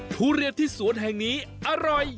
ทุเรียนที่สวนแห่งนี้อร่อย